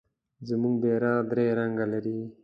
زمونږ بیرغ درې رنګه لري.